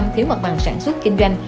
năm chín thiếu mặt bằng sản xuất kinh doanh